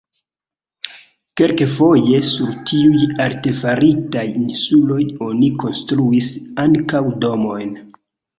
Kelkfoje sur tiuj artefaritaj insuloj oni konstruis ankaŭ domojn.